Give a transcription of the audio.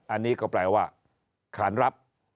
อันนี้ก็แปลว่าขานรับ